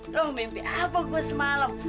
loh mimpi apa gue semalam